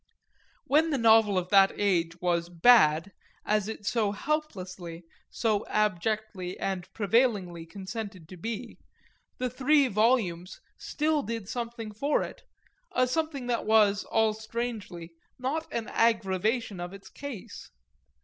When the novel of that age was "bad," as it so helplessly, so abjectly and prevailingly consented to be, the three volumes still did something for it, a something that was, all strangely, not an aggravation of its case.